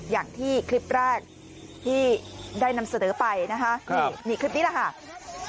อย่างที่คลิปแรกที่ได้นำเสนอไปนะคะนี่คลิปนี้แหละค่ะ